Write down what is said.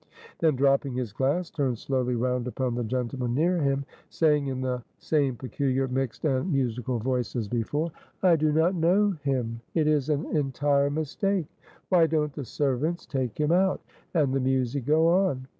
Then, dropping his glass, turned slowly round upon the gentlemen near him, saying in the same peculiar, mixed, and musical voice as before: "I do not know him; it is an entire mistake; why don't the servants take him out, and the music go on?